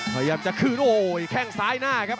พยายามจะคืนโอ้โหแข้งซ้ายหน้าครับ